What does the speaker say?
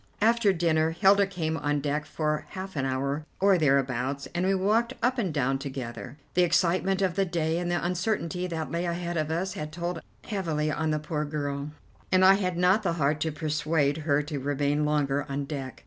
After dinner Hilda came on deck for half an hour or thereabouts, and we walked up and down together. The excitement of the day and the uncertainty that lay ahead of us had told heavily on the poor girl, and I had not the heart to persuade her to remain longer on deck.